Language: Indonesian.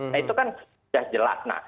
nah itu kan sudah jelas